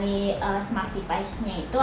jadi itu masih bisa di twist gitu sih